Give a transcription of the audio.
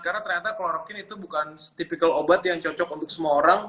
karena ternyata klorokin itu bukan tipikal obat yang cocok untuk semua orang